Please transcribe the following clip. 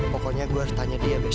pokoknya gue harus tanya dia besok